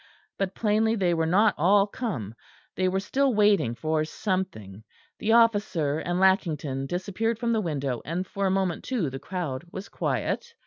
But plainly they were not all come; they were still waiting for something; the officer and Lackington disappeared from the window; and for a moment too, the crowd was quiet.